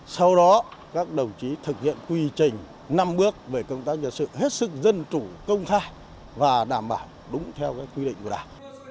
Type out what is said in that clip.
sau đó các đồng chí thực hiện quy trình năm bước về công tác nhân sự hết sức dân chủ công khai và đảm bảo đúng theo quy định của đảng